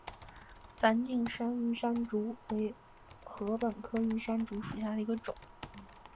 梵净山玉山竹为禾本科玉山竹属下的一个种。